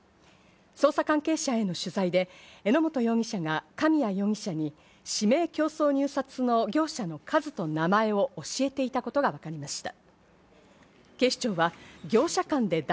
捜査関係者への取材で榎本容疑者が神谷容疑者に、指名競争入札の業者の数と名前を教えていたことがわかりました。